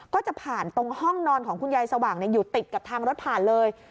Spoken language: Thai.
ก็จะผ่านตรงห้องนอนของคุณยายสว่างอยู่ติดกับทางรถผ่านเลย